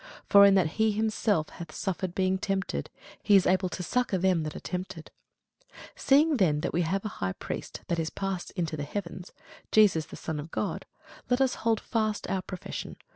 For in that he himself hath suffered being tempted, he is able to succour them that are tempted. [Sidenote: Hebrews 1] Seeing then that we have a great high priest, that is passed into the heavens, Jesus the Son of God, let us hold fast our profession.